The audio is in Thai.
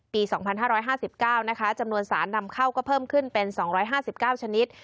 ปี๒๕๕๙นะคะจำนวนสารนำเข้าก็เพิ่มขึ้นเป็น๒๕๙ชนิด